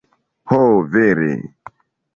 Ho, vere.